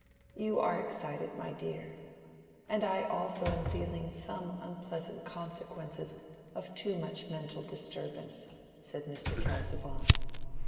"You are excited, my dear. And I also am feeling some unpleasant consequences of too much mental disturbance," said Mr. Casaubon.